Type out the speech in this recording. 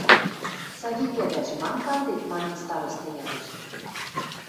– Савик ӓвӓжӹ, мам кандет? – манын, староста ядеш.